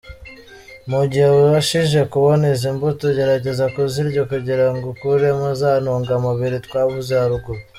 Mu gihe ubashije kubona izi mbuto gerageza kuzirya kugirango ukuremo za ntungamubiri twavuze haruguru.